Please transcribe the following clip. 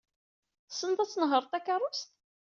Tessneḍ ad tnehṛeḍ takeṛṛust?